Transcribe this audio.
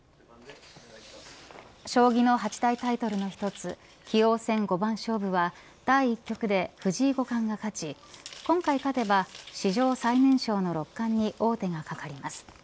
将棋の８大タイトルの一つ棋王戦五番勝負は第１局で藤井五冠が勝ち、今回勝てば史上最年少の六冠に大手がかかります。